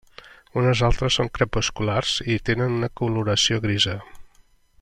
Unes altres són crepusculars i tenen una coloració grisa.